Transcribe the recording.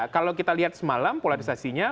kalau kita lihat semalam polarisasinya